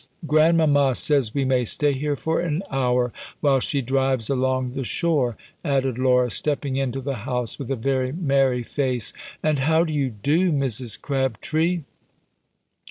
"Grandmama says we may stay here for an hour, while she drives along the shore," added Laura, stepping into the house with a very merry face. "And how do you do, Mrs. Crabtree?"